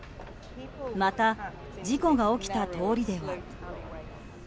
また、事故が起きた通りでは。